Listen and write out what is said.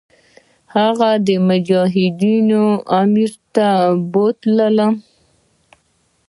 هغه زه مجاهدینو امیر ته بوتلم.